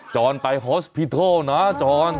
จอนไปโฮสโพิทัลนะจอน